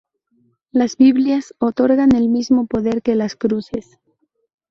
Las "Biblias" otorgan el mismo poder que las cruces.